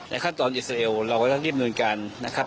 ในขั้นตอนอิสราเอลเราก็ได้รีบเนินการนะครับ